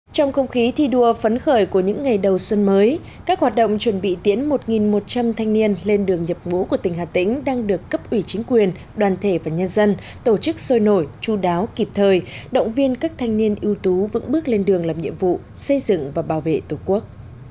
trong không khí thi đua phấn khởi của những ngày đầu xuân mới các hoạt động chuẩn bị tiễn một một trăm linh thanh niên lên đường nhập ngũ của tỉnh hà tĩnh đang được cấp ủy chính quyền đoàn thể và nhân dân tổ chức sôi nổi chú đáo kịp thời động viên các thanh niên ưu tú vững bước lên đường làm nhiệm vụ xây dựng và bảo vệ tổ quốc